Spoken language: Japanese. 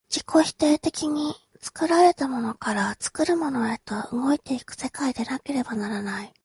自己否定的に作られたものから作るものへと動いて行く世界でなければならない。